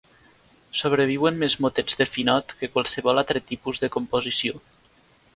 Sobreviuen més motets de Phinot que qualsevol altre tipus de composició.